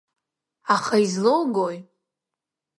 Аха излоугои?